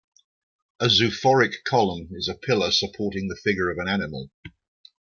A zoophoric column is a pillar supporting the figure of an animal.